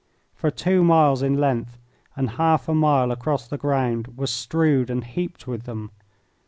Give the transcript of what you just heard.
For two miles in length and half a mile across the ground was strewed and heaped with them.